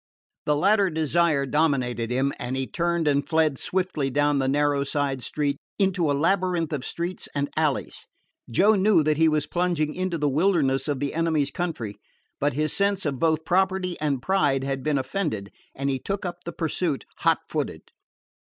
The latter desire dominated him, and he turned and fled swiftly down the narrow side street into a labyrinth of streets and alleys. Joe knew that he was plunging into the wilderness of the enemy's country, but his sense of both property and pride had been offended, and he took up the pursuit hot footed.